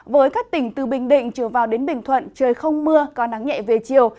với các tỉnh từ bình định trở vào đến bình thuận trời không mưa có nắng nhẹ về chiều